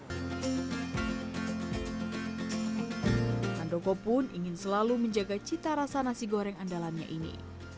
handoko pun ingin selalu menjaga cita rasa nasi goreng andalannya ini